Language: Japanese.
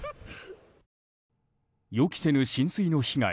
予期せぬ浸水の被害